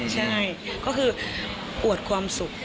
ใช่ก็คืออวดความสุข